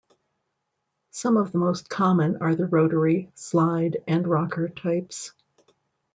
Some of the most common are the rotary, slide, and rocker types.